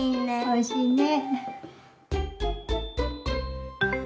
おいしいね。